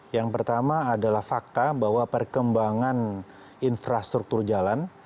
yang pertama adalah fakta bahwa perkembangan infrastruktur jalan